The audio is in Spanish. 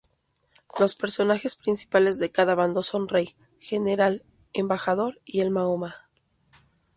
Los personajes principales de cada bando son rey, general, embajador y "el Mahoma".